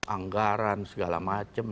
anggaran segala macem